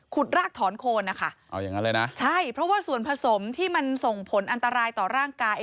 ขุดรากถอนโค้นนะคะใช่เพราะว่าส่วนผสมที่มันส่งผลอันตรายต่อร่างกาย